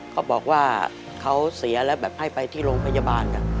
เขโดยเสียแล้วแบบให้ไปที่โรงพยาบาล